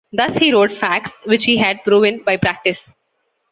Thus he wrote facts, which he had proven by practice.